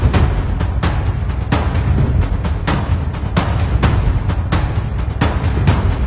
ขอให้มีคนที่ของเข้า